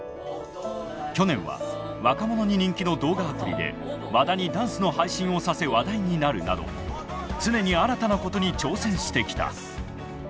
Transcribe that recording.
去年は若者に人気の動画アプリで和田にダンスの配信をさせ話題になるなど常に新たなことに挑戦してきた。